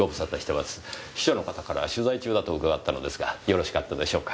秘書の方から取材中だと伺ったのですがよろしかったでしょうか。